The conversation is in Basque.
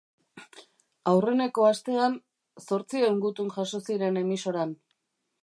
Aurreneko astean, zortziehun gutun jaso ziren emisoran.